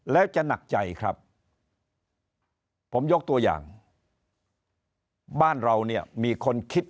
แล้วจะหนักใจครับผมยกตัวอย่างบ้านเราเนี่ยมีคนคิด